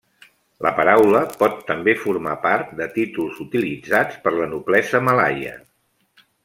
La paraula pot també formar part de títols utilitzats per la noblesa malaia.